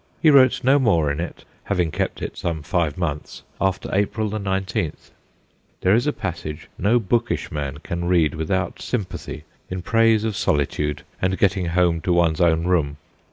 He wrote no more in it, having kept it some five months, after April 19. There is a passage no bookish man can read without sympathy in praise of solitude and getting home to one's FROM THE JOURNAL 95 own room.